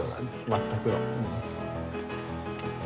全くの。